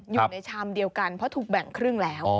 อยู่ในชามเดียวกันเพราะถูกแบ่งครึ่งแล้ว